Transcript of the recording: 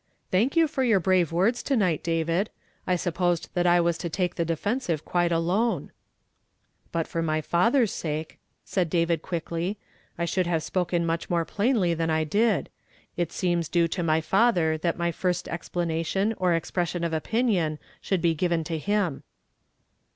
"Thank you for ji av^ ords to night, David; I supposed that I was to Lake the defensive quite alone." 74 YESTERDAY FKA.MED IN TO DAY. " But for my I'atlu'r'H .siike," said David (luickly, "1 should have spoken much more phiinly than I did. it seems due to my latlier that my fii st exphmation or expression of opinion should be given to him."